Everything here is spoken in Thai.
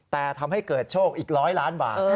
แต่ทำให้เกิดโชคอีก๑๐๐ล้านบาท